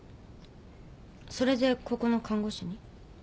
それでここの看護師に？